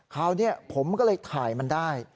คราวนี้ผมก็เลยถ่ายมันได้